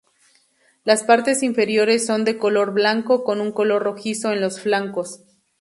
Las partes inferiores son de color blanco, con un color rojizo en los flancos.